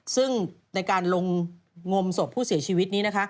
ซึ่งในการลงงมศพผู้เสียชีวิตนี้นะคะ